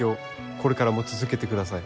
これからも続けてください。